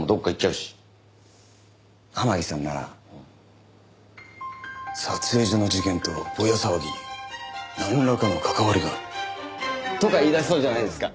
天樹さんなら「撮影所の事件とぼや騒ぎになんらかの関わりが」とか言い出しそうじゃないですか？